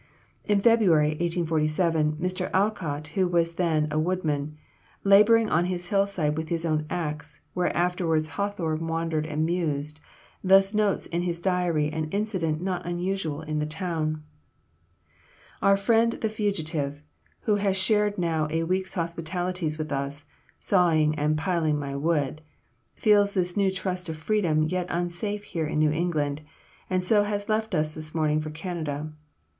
In February, 1847, Mr. Alcott, who was then a woodman, laboring on his hillside with his own axe, where afterwards Hawthorne wandered and mused, thus notes in his diary an incident not unusual in the town: "Our friend the fugitive, who has shared now a week's hospitalities with us (sawing and piling my wood), feels this new trust of Freedom yet unsafe here in New England, and so has left us this morning for Canada.